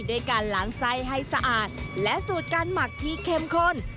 ด้วยการล้างไส้ให้สะอาดและสูตรการหมักที่เข้มข้น